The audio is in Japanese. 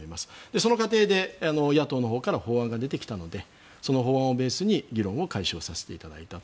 その過程で野党のほうから法案が出てきたのでその法案をベースに議論を開始させていただいたと。